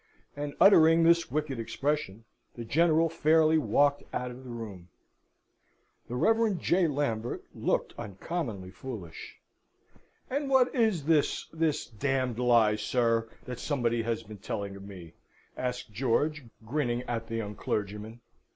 And uttering this wicked expression, the General fairly walked out of the room. The Rev. J. Lambert looked uncommonly foolish. "And what is this this d d lie, sir, that somebody has been telling of me?" asked George, grinning at the young clergyman.